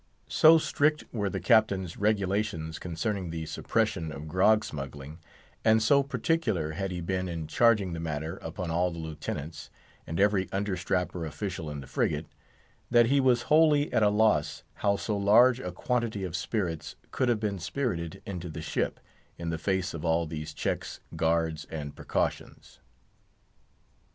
So strict were the Captain's regulations concerning the suppression of grog smuggling, and so particular had he been in charging the matter upon all the Lieutenants, and every understrapper official in the frigate, that he was wholly at a loss how so large a quantity of spirits could have been spirited into the ship, in the face of all these checks, guards, and precautions.